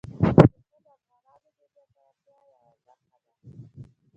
پسه د افغانانو د ګټورتیا یوه برخه ده.